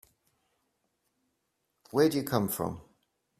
Where do you come from?